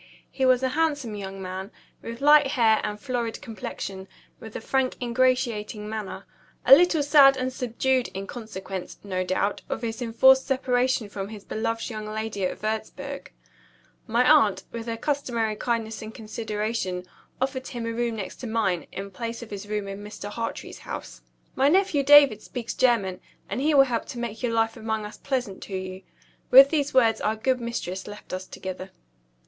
He was a handsome young man, with light hair and florid complexion, and with a frank ingratiating manner a little sad and subdued, in consequence, no doubt, of his enforced separation from his beloved young lady at Wurzburg. My aunt, with her customary kindness and consideration, offered him a room next to mine, in place of his room in Mr. Hartrey's house. "My nephew David speaks German; and he will help to make your life among us pleasant to you." With those words our good mistress left us together.